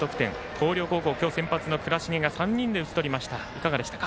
広陵高校先発の倉重が３人で打ち取りました。